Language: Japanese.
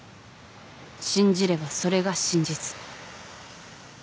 信じればそれが真実。